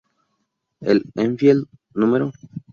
El Enfield No.